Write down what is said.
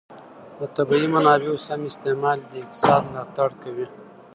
د طبیعي منابعو سم استعمال د اقتصاد ملاتړ کوي.